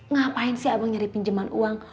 ngapain sih abang nyari pinjaman uang